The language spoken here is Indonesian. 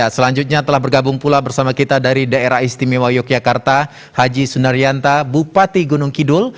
selanjutnya telah bergabung pula bersama kita dari daerah istimewa yogyakarta haji sundarianta bupati gunung kidul